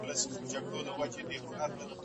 زه به د هغه ملاتړی یم